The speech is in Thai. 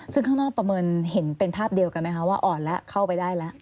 ซึ่งข้างนอกประเมินเห็นเป็นภาพเดียวกันไหมคะว่าอ่อนแล้วเข้าไปได้แล้ว